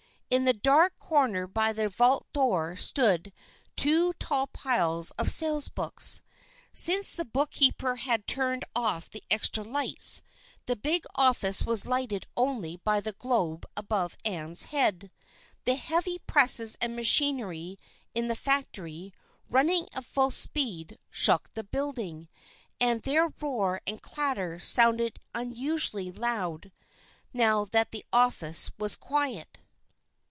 In the dark corner by the vault door stood two tall piles of sales books. Since the bookkeeper had turned off the extra lights, the big office was lighted only by the globe above Ann's head. The heavy presses and machinery in the factory, running at full speed, shook the building, and their roar and clatter sounded unusually loud now that the office was quiet.